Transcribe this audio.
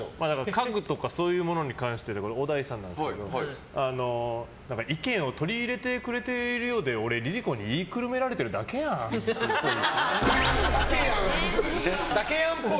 家具とかそういうものに関して小田井さんになんですけど意見を取り入れてくれてるようで俺、ＬｉＬｉＣｏに言いくるめられてるだけやんっぽい。